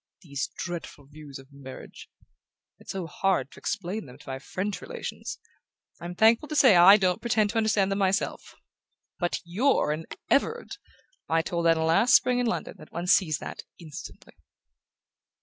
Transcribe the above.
These dreadful views of marriage ... it's so hard to explain them to my French relations...I'm thankful to say I don't pretend to understand them myself! But YOU'RE an Everard I told Anna last spring in London that one sees that instantly"...